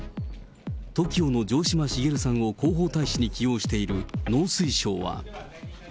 ＴＯＫＩＯの城島茂さんを広報大使に起用している農水省は。